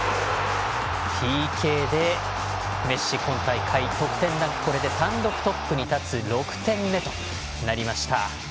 ＰＫでメッシ、今大会得点ランク単独トップに立つ６点目となりました。